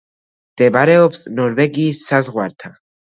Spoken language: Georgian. მდებარეობს ნორვეგიის საზღვართან.